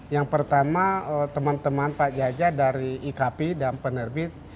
yang pertama teman teman pak jaja dari ikp dan penerbit